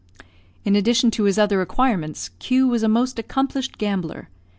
In addition to his other acquirements, Q was a most accomplished gambler.